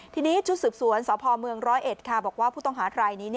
ทีนี้ชุดสืบสวนสพม๑๐๑บอกว่าผู้ต้องหาทรายนี้